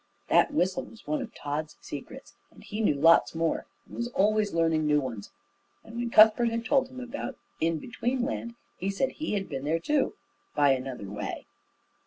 That whistle was one of Tod's secrets, and he knew lots more, and was always learning new ones; and when Cuthbert had told him about In between Land he said that he had been there too, by another way.